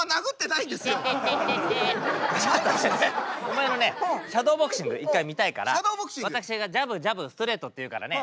お前のねシャドーボクシング一回見たいから私がジャブジャブストレートって言うからね